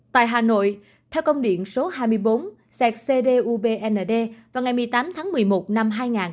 tại hà nội theo công điện số hai mươi bốn sẹt cdubnd vào ngày một mươi tám tháng một mươi một năm hai nghìn hai mươi một